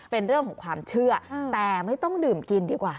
เป็นเรื่องของความเชื่อแต่ไม่ต้องดื่มกินดีกว่า